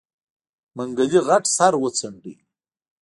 منګلي غټ سر وڅنډه.